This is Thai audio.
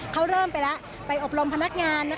เขาเริ่มไปแล้วไปอบรมพนักงาน